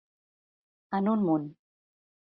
En un munt.